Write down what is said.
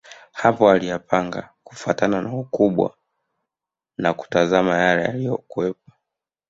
Hapo aliyapanga kufuatana na ukubwa na kutazama yale yaliyokuwepo